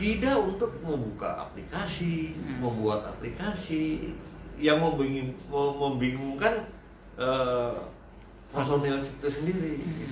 tidak untuk membuka aplikasi membuat aplikasi yang membingungkan personil itu sendiri